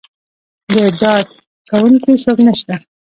د ډاډکوونکي څوک نه شته.